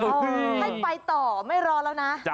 ให้ไปต่อไม่รอแล้วนะ